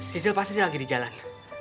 cicil pasti lagi di jalan